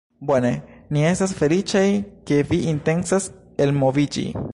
Bone. Ni estas feliĉaj, ke vi intencas elmoviĝi